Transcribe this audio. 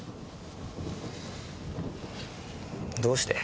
どうして？